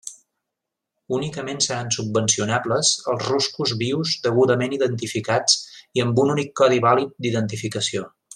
Únicament seran subvencionables els ruscos vius degudament identificats i amb un únic codi vàlid d'identificació.